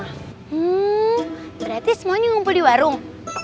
hmm berarti semuanya ngumpul di warung